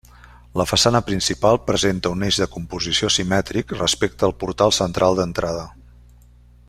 La façana principal presenta un eix de composició simètric respecte al portal central d'entrada.